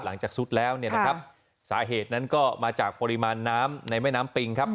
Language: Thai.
ซุดแล้วเนี่ยนะครับสาเหตุนั้นก็มาจากปริมาณน้ำในแม่น้ำปิงครับ